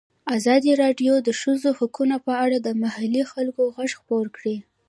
ازادي راډیو د د ښځو حقونه په اړه د محلي خلکو غږ خپور کړی.